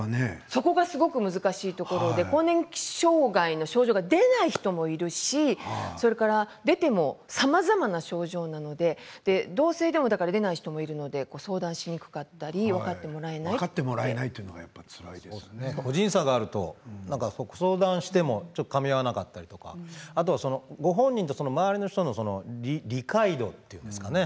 そこが難しいところで更年期障害の症状が出ない人もいるし出てもさまざまな症状なので同性でも出ない人がいるので相談しにくかったり分かってもらえないのは個人差があると相談してもかみ合わなかったりとかご本人と周りの人の理解度というんですかね